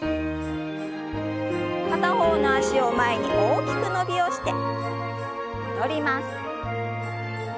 片方の脚を前に大きく伸びをして戻ります。